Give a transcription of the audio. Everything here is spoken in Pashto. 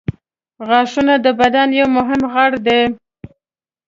• غاښونه د بدن یو مهم غړی دی.